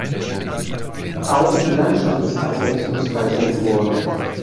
Auch die Landschaft ist abwechslungsreicher geworden.